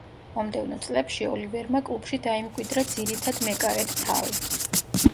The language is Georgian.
მომდევნო წლებში ოლივერმა კლუბში დაიმკვიდრა ძირითად მეკარედ თავი.